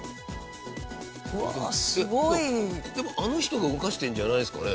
でもあの人が動かしてるんじゃないですかね？